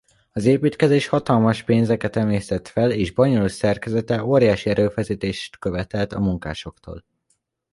Az építkezés hatalmas pénzeket emésztett fel és bonyolult szerkezete óriási erőfeszítést követelt a munkásoktól.